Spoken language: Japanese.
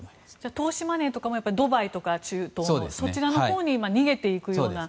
投資マネーとかもドバイとか中東に逃げていくような。